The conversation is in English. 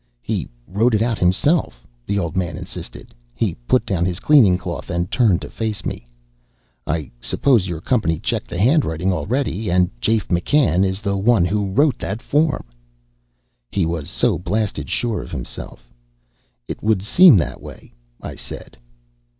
"He wrote it out himself," the old man insisted. He put down his cleaning cloth, and turned to face me. "I suppose your company checked the handwriting already, and Jafe McCann is the one who wrote that form." He was so blasted sure of himself. "It would seem that way," I said.